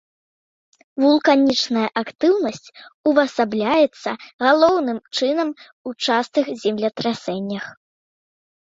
Вулканічная актыўнасць увасабляецца галоўным чынам у частых землетрасеннях.